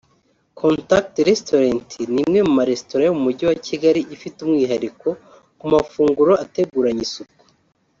Contact Restaurant ni imwe mu maresitora yo mu mujyi wa Kigali ifite umwihariko ku mafunguro ateguranye isuku